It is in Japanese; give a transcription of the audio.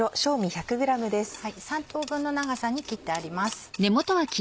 ３等分の長さに切ってあります。